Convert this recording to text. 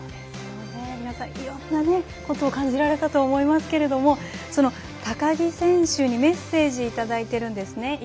皆さん、いろんなことを感じられたと思いますけれども高木選手にメッセージいただいているんですね。